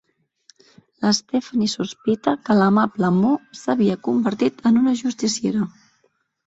La Stephanie sospita que l'amable Mo s'avia convertit en una justiciera.